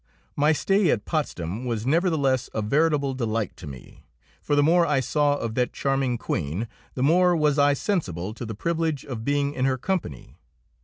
My stay at Potsdam was nevertheless a veritable delight to me, for the more I saw of that charming Queen the more was I sensible to the privilege of being in her company.